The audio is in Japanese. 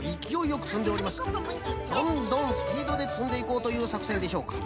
どんどんスピードでつんでいこうというさくせんでしょうか。